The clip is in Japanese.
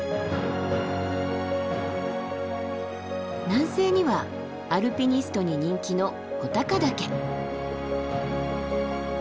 南西にはアルピニストに人気の穂高岳。